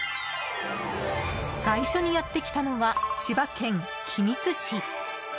最初にやってきたのは千葉県君津市。